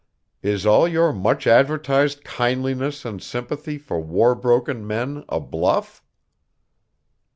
Is all your much advertised kindliness and sympathy for war broken men a bluff?"